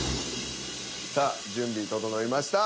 さあ準備整いました。